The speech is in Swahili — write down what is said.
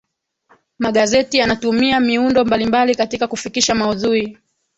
magazeti yanatumia miundo mbalimbali katika kufikisha maudhui